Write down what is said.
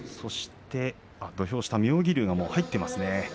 土俵下に妙義龍がもう入っています。